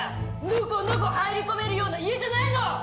のこのこ入り込めるような家じゃないの！」